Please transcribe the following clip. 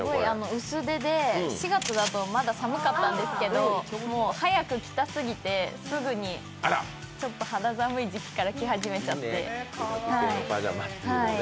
薄手で、４月だとまだ寒かったんですけど、早く着たすぎてすぐに肌寒い時期から着始めちゃって。